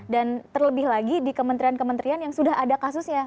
terlebih lagi di kementerian kementerian yang sudah ada kasusnya